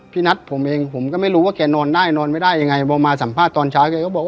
พี่นัทผมเองผมก็ไม่รู้ว่าแกนอนได้นอนไม่ได้ยังไงพอมาสัมภาษณ์ตอนเช้าแกก็บอก